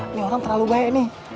ini orang terlalu baik nih